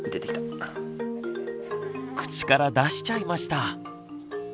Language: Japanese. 口から出しちゃいました。